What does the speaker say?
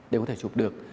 để có thể chụp được